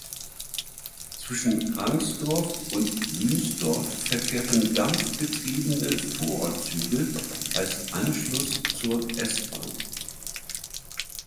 Zwischen Rangsdorf und Wünsdorf verkehrten dampfbetriebene Vorortzüge als Anschluss zur S-Bahn.